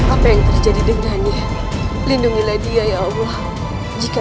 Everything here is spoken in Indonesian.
apa yang terjadi dengan lindungi dia ya allah jika